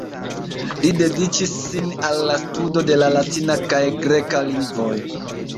Li dediĉis sin al la studo de la latina kaj greka lingvoj.